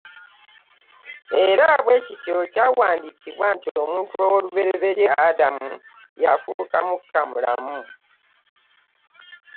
Era bwe kityo kyawandiikibwa nti omuntu ow'olubereeberye Adamu yafuuka mukka mulamu.